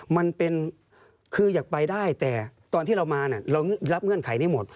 มันเป็นคืออยากไปได้แต่ตอนที่เรามาเรารับเงื่อนไขนี้หมด